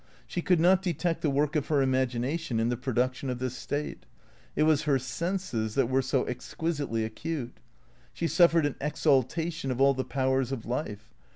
She could not detect the work of her imagination in the production of this state. It was her senses that were so exquisitely acute. She suffered an exaltation of all the powers of life.